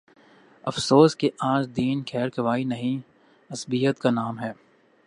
افسوس کہ آج دین خیر خواہی نہیں، عصبیت کا نام ہے۔